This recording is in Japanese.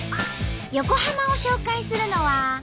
横浜を紹介するのは。